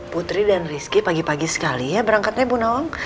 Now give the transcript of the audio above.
putri dan rizky pagi pagi sekali ya berangkatnya bu nawang